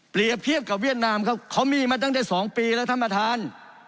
เปรียบเทียบกับเวียดนามครับเขามีมาตั้งแต่สองปีแล้วธรรมฐาน